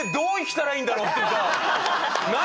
「何？